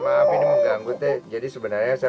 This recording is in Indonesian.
terima kasih ki siapch ya